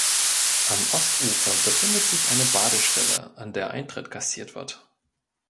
Am Ostufer befindet sich eine Badestelle, an der Eintritt kassiert wird.